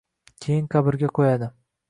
Keyin qabrga qo‘yadi.